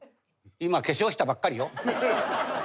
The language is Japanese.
今化粧したばっかりよ」。